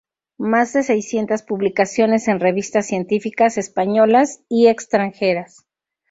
Más de seiscientas publicaciones en revistas científicas, españolas y extranjeras.